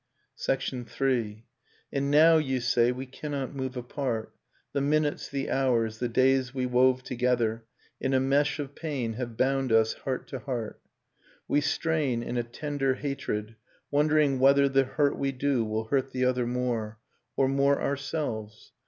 III. And now, you say, we cannot move apart ... The minutes, the hours, the days we wove together In a mesh of pain have bound us, heart to heart: Nocturne of Remembered Spring We strain in a tender hatred, wondering whether The hurt we do will hurt the other more, Or more ourselves